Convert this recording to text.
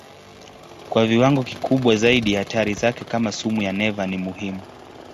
Kwa viwango kikubwa zaidi hatari zake kama sumu ya neva ni muhimu.